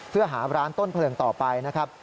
เพื่อหาร้านต้นเพลิงต่อไปนะครับ